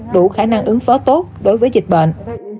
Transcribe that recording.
đủ khả năng ứng phó tốt đối với dịch bệnh